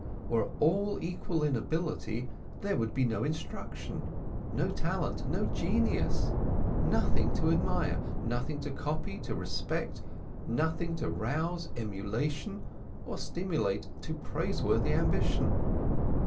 Were all equal in ability, there would be no instruction, no talent no genius nothing to admire, nothing to copy, to respect nothing to rouse emulation or stimulate to praiseworthy ambition.